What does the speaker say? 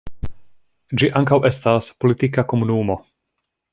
Ĝi ankaŭ estas politika komunumo.